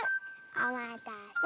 おまたせ。